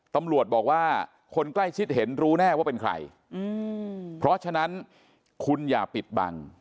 ตำรวจบอกว่าคนใกล้ชิดเห็นรู้แน่ว่าเป็นใครเพราะฉะนั้นคุณอย่าปิดบัง